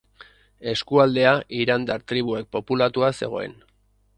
Eskualdea irandar tribuek populatua zegoen.